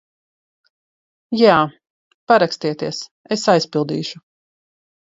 Jā. Parakstieties, es aizpildīšu.